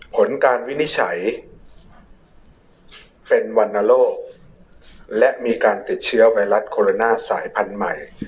ผลการวินิจฉัยเป็นวรรณโรคและมีการติดเชื้อไวรัสโคโรนาสายพันธุ์ใหม่